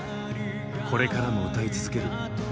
これからも歌い続ける。